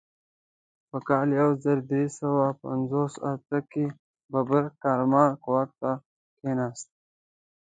په کال یو زر درې سوه پنځوس اته کې ببرک کارمل واک ته کښېناست.